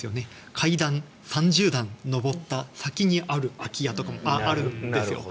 階段を３０段上った先にある空き家とかもあるんですよ。